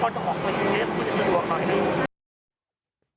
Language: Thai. ก็จะออกไปคุยสะดวกก่อนให้ดู